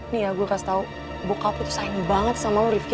nih ya gue kasih tau bokap lo tuh sayang banget sama lo rifki